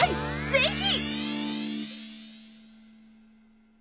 ぜひ！